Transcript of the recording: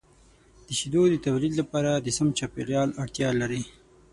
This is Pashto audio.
د شیدو د تولید لپاره د سم چاپیریال اړتیا لري.